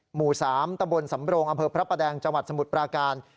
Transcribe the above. หมู่๓ตะบลสำโบรงอพระประแดงจสมุทรปราการ